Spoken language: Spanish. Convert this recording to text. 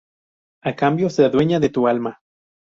A cambio, se adueña de tu alma.